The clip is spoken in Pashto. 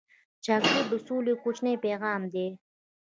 چاکلېټ د سولې کوچنی پیغام دی.